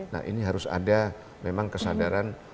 nah ini harus ada memang kesadaran